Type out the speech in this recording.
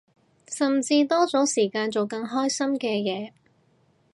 甚至多咗時間做更開心嘅嘢